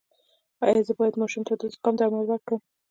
ایا زه باید ماشوم ته د زکام درمل ورکړم؟